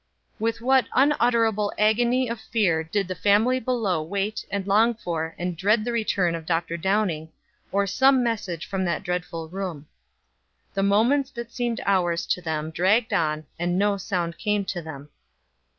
With what unutterable agony of fear did the family below wait and long for and dread the return of Dr. Downing, or some message from that dreadful room. The moments that seemed hours to them dragged on, and no sound came to them.